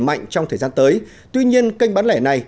mạnh trong thời gian tới tuy nhiên kênh bán lẻ này